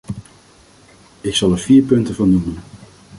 Ik zal er vier punten van noemen.